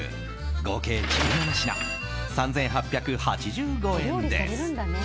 合計１７品、３８８５円です。